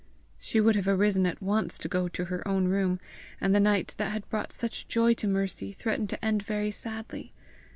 She would have arisen at once to go to her own room, and the night that had brought such joy to Mercy threatened to end very sadly.